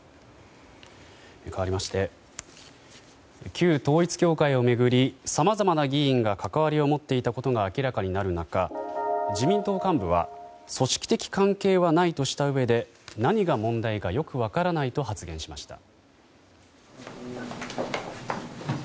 かわりまして旧統一教会を巡りさまざまな議員が関わりを持っていたことが明らかになる中自民党幹部は組織的関係はないとしたうえで何が問題かよく分からないと発言しました。